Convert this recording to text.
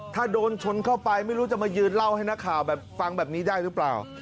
ถ้าโดนชนเข้าไปไม่รู้จะมายืนเล่าให้นักข่าวแบบฟังแบบนี้ได้หรือเปล่า